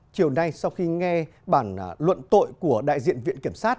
chiều nay sau khi nghe bản luận tội của đại diện viện kiểm sát